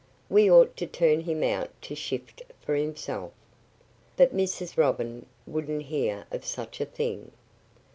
"We ought to turn him out to shift for himself." But Mrs. Robin wouldn't hear of such a thing.